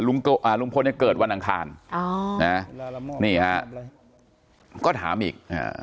ลุงพลเนี่ยเกิดวันอังคารนี่ฮะก็ถามอีก